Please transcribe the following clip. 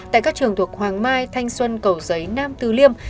tại các trường thuộc hoàng mai thanh xuân cầu giấy nam tư liêm